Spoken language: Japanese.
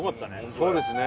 そうですね